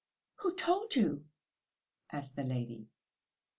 "Who told you?" asked the lady.